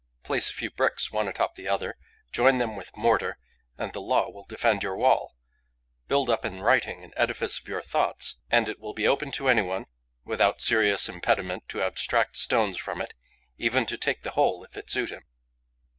Place a few bricks one atop the other; join them with mortar; and the law will defend your wall. Build up in writing an edifice of your thoughts; and it will be open to any one, without serious impediment, to abstract stones from it, even to take the whole, if it suit him.